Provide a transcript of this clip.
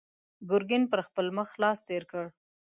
ګرګين پر خپل مخ لاس تېر کړ.